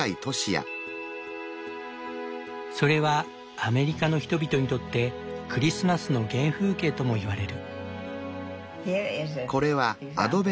それはアメリカの人々にとってクリスマスの原風景ともいわれる。